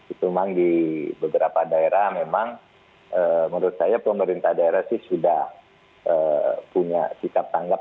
itu memang di beberapa daerah memang menurut saya pemerintah daerah sih sudah punya sikap tanggap